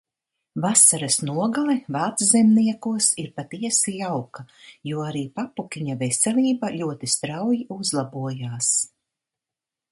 Vasaras nogale Vāczemniekos ir patiesi jauka, jo arī papukiņa veselība ļoti strauji uzlabojās.